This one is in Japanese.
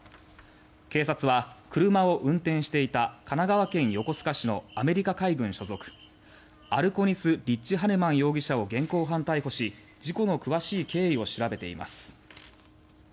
警察は車を運転していた神奈川県横須賀市のアメリカ海軍所属アルコニス・リッジ・ハネマン容疑者を現行犯逮捕し事故の詳しい経緯を調べています。